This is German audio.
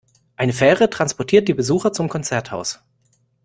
Eine Fähre transportiert die Besucher zum Konzerthaus.